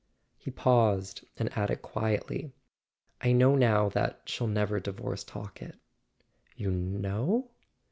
He paused and added quietly: "I know now that she'll never divorce Talkett." "You know